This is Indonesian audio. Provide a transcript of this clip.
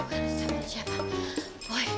aduh whoo siapa ini